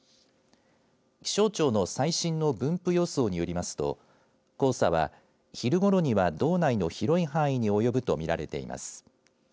気象庁の最新の分布予想によりますと黄砂は昼ごろには道内の広い範囲に及ぶと見られています。